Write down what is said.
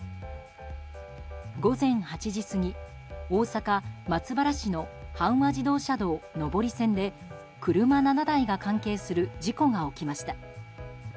午前８時過ぎ、大阪・松原市の阪和自動車道上り線で車７台が関係する事故が起きました。